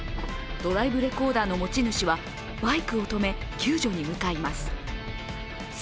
ドライブレコーダーの持ち主はバイクを止め救助に向かいます。